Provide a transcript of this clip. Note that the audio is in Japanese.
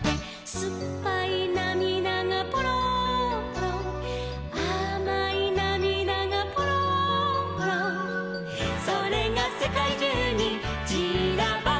「すっぱいなみだがぽろんぽろん」「あまいなみだがぽろんぽろん」「それがせかいじゅうにちらばって」